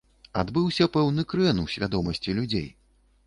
Адбыўся пэўны крэн у свядомасці людзей.